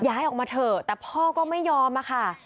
ย้ายออกมาเถอะแต่พ่อก็ไม่ยอมอะค่ะ